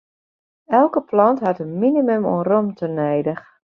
Elke plant hat in minimum oan romte nedich.